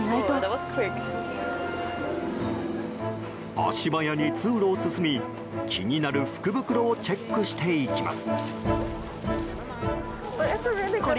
足早に通路を進み気になる福袋をチェックしていきます。